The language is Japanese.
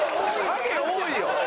ハゲ多いよ。